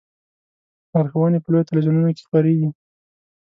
لارښوونې په لویو تلویزیونونو کې خپریږي.